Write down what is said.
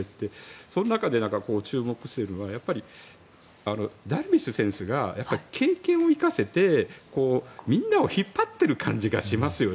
その中で注目しているのはダルビッシュ選手が経験を生かしてみんなを引っ張っている感じがしますよね。